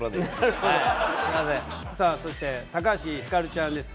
さあそして橋ひかるちゃんです。